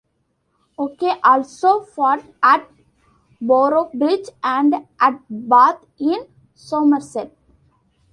Okey also fought at Boroughbridge and at Bath in Somerset.